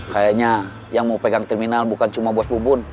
kayaknya yang mau pegang terminal bukan cuma bos bubun